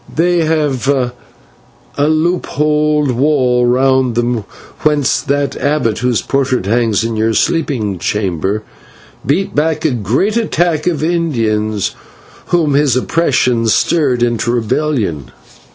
They have a loop holed wall round them whence that abbot, whose portrait hangs in your sleeping chamber, beat back a great attack of the Indians whom his oppression stirred into rebellion.